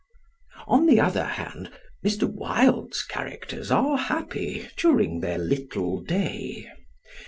On the other hand, Mr. Wilde's characters are happy during their little day.